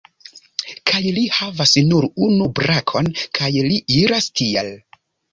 Kaj li havas nur unu brakon, kaj li iras tiel